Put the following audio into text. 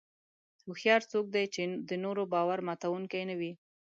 هوښیار څوک دی چې د نورو باور ماتوونکي نه وي.